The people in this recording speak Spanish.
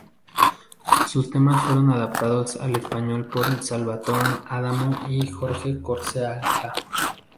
Los temas fueron adaptados al español por Salvatore Adamo y Jorge Córcega.